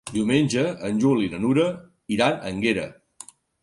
Diumenge en Juli i na Nura iran a Énguera.